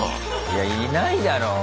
いやいないだろう